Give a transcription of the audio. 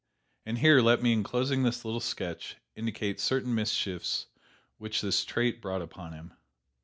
And here let me, in closing this little sketch, indicate certain mischiefs which this trait brought upon him.